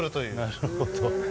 なるほど。